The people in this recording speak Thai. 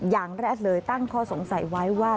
อย่างแรกเลยตั้งข้อสงสัยไว้ว่า